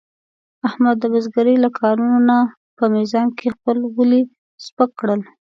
احمد د بزرګرۍ له کارونو نه په میزان کې خپل ولي سپک کړل.